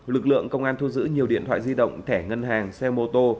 lực lượng công an thu giữ nhiều điện thoại di động thẻ ngân hàng xe mô tô